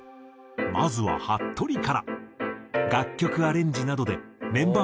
まずははっとりから。